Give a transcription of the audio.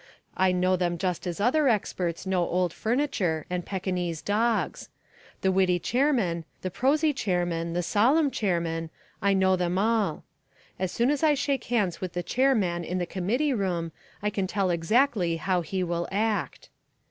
I know them just as other experts know old furniture and Pekinese dogs. The witty chairman, the prosy chairman, the solemn chairman, I know them all. As soon as I shake hands with the chairman in the Committee room I can tell exactly how he will act.